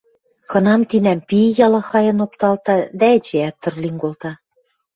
кынам-тинӓм пи ялахайын опталта, дӓ эчеӓт тыр лин колта.